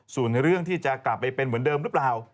ส่วนเรื่องที่จะกลับไปเป็นเหมือนเดิมหรือเปล่า